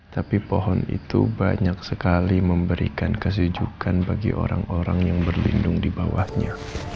tapi pohon itu banyak sekali memberikan kesejukan bagi orang orang yang berlindung di bawahnya